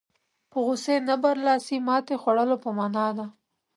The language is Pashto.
په غوسې نه برلاسي ماتې خوړلو په معنا ده.